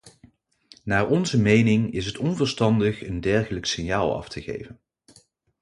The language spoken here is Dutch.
Naar onze mening is het onverstandig een dergelijk signaal af te geven.